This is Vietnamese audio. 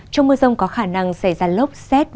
trong mưa rông có khả năng xảy ra lốc xét